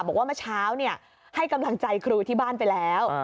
บอกว่าเมื่อเช้าให้กำลังใจครูที่บ้านไปแล้ว